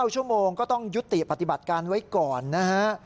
ชั่วโมงก็ต้องยุติปฏิบัติการไว้ก่อนนะฮะ